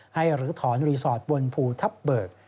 หรือถอนรีสอร์ทบนภูทับเบิก